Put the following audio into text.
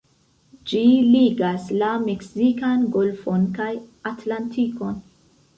Ĝi ligas la Meksikan Golfon kaj Atlantikon.